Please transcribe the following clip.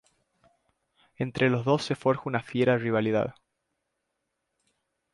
Entre los dos se forja una fiera rivalidad.